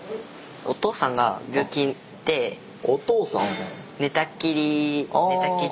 お父さん？